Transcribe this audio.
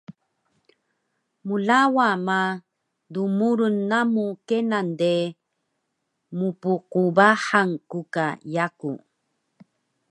Mlawa ma, dmurun namu kenan de, mpqbahang ku ka yaku